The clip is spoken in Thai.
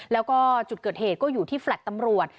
แล้วก็จุดเกิดเหตุก็อยู่ที่แฟลต์ตำรวจ